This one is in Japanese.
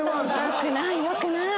よくないよくない。